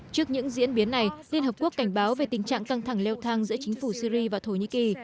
trước những diễn biến này liên hợp quốc cảnh báo về tình trạng căng thẳng leo thang giữa chính phủ syri và thổ nhĩ kỳ